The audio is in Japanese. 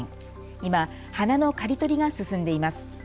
今、花の刈り取りが進んでいます。